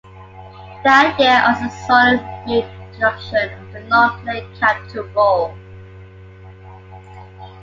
That year also saw the reintroduction of the non-playing captain role.